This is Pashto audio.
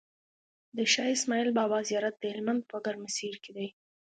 د شاهاسماعيل بابا زيارت دهلمند په ګرمسير کی دی